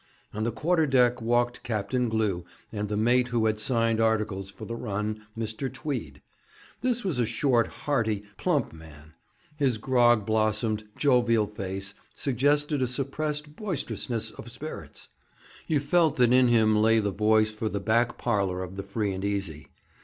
On the quarter deck walked Captain Glew and the mate who had signed articles for the run, Mr. Tweed. This was a short, hearty, plump man. His grog blossomed, jovial face suggested a suppressed boisterousness of spirits; you felt that in him lay the voice for the back parlour of the Free and Easy.